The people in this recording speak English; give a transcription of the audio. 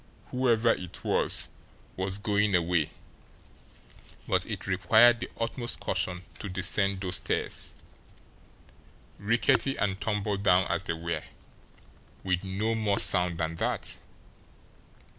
Whoever it was was going away but it required the utmost caution to descend those stairs, rickety and tumble down as they were, with no more sound than that!